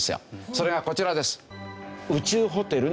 それがこちらです。